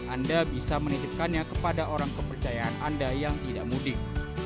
anda bisa menitipkannya kepada orang kepercayaan anda yang tidak mudik